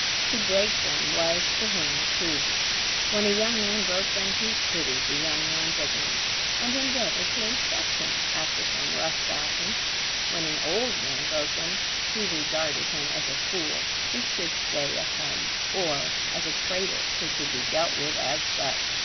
To break them was to him treason. When a young man broke them he pitied the young man's ignorance, and endeavored to instruct him after some rough fashion. When an old man broke them, he regarded him as a fool who should stay at home, or as a traitor who should be dealt with as such.